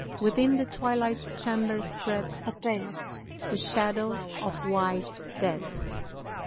Within the twilight chamber spreads apace The shadow of white Death....'